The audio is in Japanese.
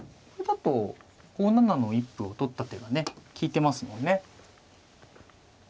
これだと５七の一歩を取った手がね利いてますもんね。